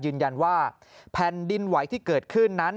ยืนยันว่าแผ่นดินไหวที่เกิดขึ้นนั้น